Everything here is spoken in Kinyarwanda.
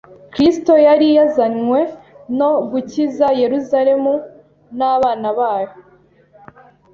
» Kristo yari yazanywe no gukiza Yerusalemu n'abana bayo,